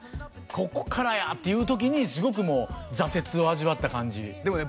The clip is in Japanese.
ここからやっていう時にすごくもう挫折を味わった感じでもね